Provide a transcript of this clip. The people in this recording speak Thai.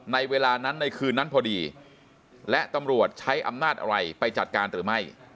ในเวลานั้นในคืนนั้นพอดีและตำรวจใช้อำนาจอะไรไปจัดการหรือไม่